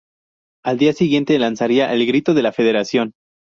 Al día siguiente lanzaría el "Grito de la Federación".